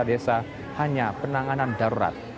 peladesa hanya penanganan darurat